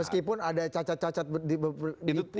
meskipun ada cacat cacat diputuk pimpinannya